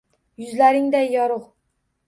Yuzlaringday yorug’